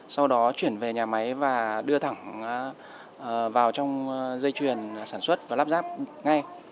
sau đó chuyển về nhà máy và đưa thẳng vào trong dây chuyền sản xuất và lắp ráp ngay